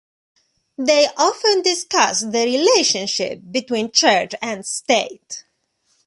They often discussed the relationship between church and state.